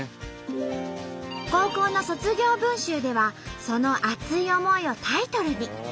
高校の卒業文集ではその熱い思いをタイトルに。